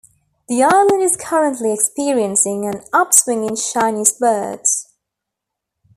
The island is currently experiencing an upswing in Chinese births.